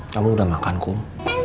kamu udah makan kum